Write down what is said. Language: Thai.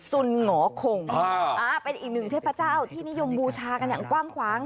สุนหงอคงเป็นอีกหนึ่งเทพเจ้าที่นิยมบูชากันอย่างกว้างขวาง